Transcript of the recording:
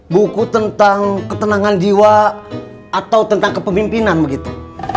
buku tentang ketenangan jiwa atau tentang kepemimpinan begitu